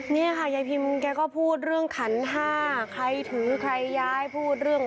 นี่ค่ะยายพิมแกก็พูดเรื่องขันห้าใครถือใครย้ายพูดเรื่อง